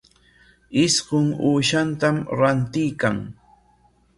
Isqun uushatam rantiykan.